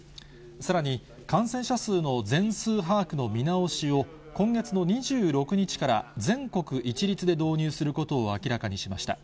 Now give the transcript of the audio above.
さらに、感染者数の全数把握の見直しを、今月の２６日から、全国一律で導入することを明らかにしました。